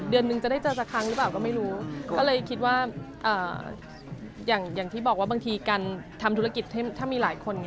เดือนนึงจะได้เจอสักครั้งหรือเปล่าก็ไม่รู้ก็เลยคิดว่าอย่างที่บอกว่าบางทีการทำธุรกิจถ้ามีหลายคน